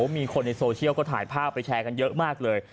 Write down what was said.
มีคนในโซเชียลก็ถ่ายภาพไปแชร์กันเยอะมากเลย